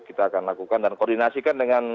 kita akan lakukan dan koordinasikan dengan